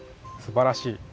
すばらしい。